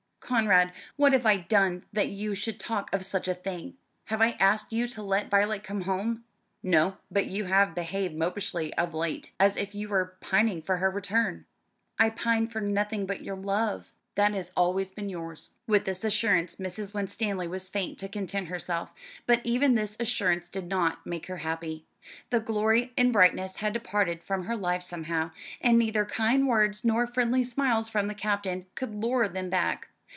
"Conrad, what have I done that you should talk of such a thing? Have I asked you to let Violet come home?" "No, but you have behaved mopishly of late, as if you were pining for her return." "I pine for nothing but your love." "That has always been yours." With this assurance Mrs. Winstanley was fain to content herself, but even this assurance did not make her happy. The glory and brightness had departed from her life somehow; and neither kind words nor friendly smiles from the Captain could lure them back.